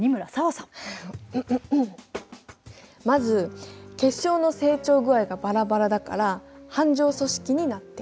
まず結晶の成長具合がバラバラだから斑状組織になっている。